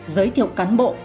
giới thiệu cán bộ